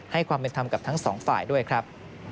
ความเป็นธรรมกับทั้งสองฝ่ายด้วยครับ